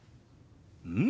うん！